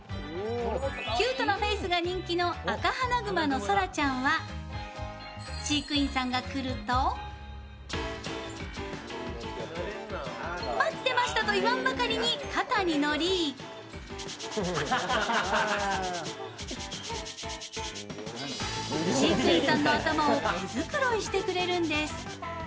キュートなフェイスが人気のアカハナグマのソラちゃんは飼育員さんが来ると待ってましたといわんばかりに肩に乗り飼育員さんの頭を毛繕いしてくれるんです。